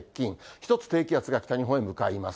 １つ低気圧が北日本へ向かいます。